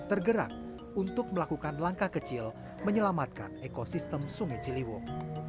tergerak untuk melakukan langkah kecil menyelamatkan ekosistem sungai ciliwung